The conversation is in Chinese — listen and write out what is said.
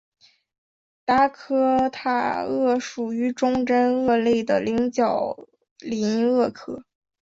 达科塔鳄属于中真鳄类的棱角鳞鳄科。